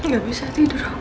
gak bisa tidur